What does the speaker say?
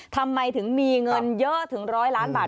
ทำไมถึงมีเงินเยอะถึง๑๐๐ล้านบาท